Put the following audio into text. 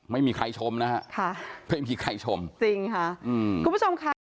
ไม่มีใครชมนะฮะค่ะไม่มีใครชมจริงค่ะอืมคุณผู้ชมค่ะ